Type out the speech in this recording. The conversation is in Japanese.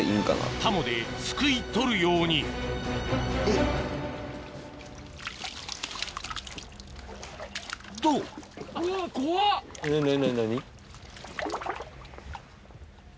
タモですくい取るようにとえぇ！